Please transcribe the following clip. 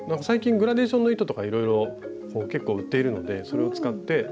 最近グラデーションの糸とかいろいろ結構売っているのでそれを使って。